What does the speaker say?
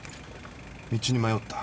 道に迷った。